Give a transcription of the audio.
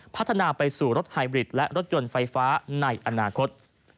พัฒนาไปสู่รถไฮบริดและรถยนต์ไฟฟ้าในอนาคต